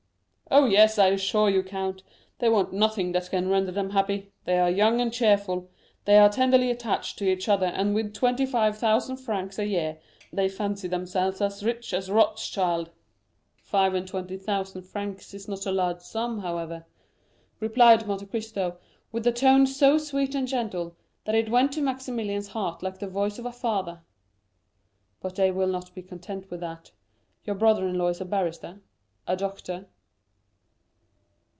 "Oh, yes, I assure you, count, they want nothing that can render them happy; they are young and cheerful, they are tenderly attached to each other, and with twenty five thousand francs a year they fancy themselves as rich as Rothschild." "Five and twenty thousand francs is not a large sum, however," replied Monte Cristo, with a tone so sweet and gentle, that it went to Maximilian's heart like the voice of a father; "but they will not be content with that. Your brother in law is a barrister? a doctor?"